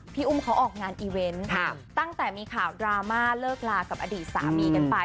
พี่อุ้มเขาออกงานอีเวนต์ตั้งแต่มีข่าวดราม่าเลิกลากับอดีตสามีกันไป